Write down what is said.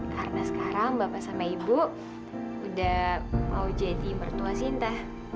karena sekarang bapak sama ibu udah mau jadi mertua cinta